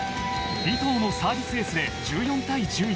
尾藤のサービスエースで１４対１１。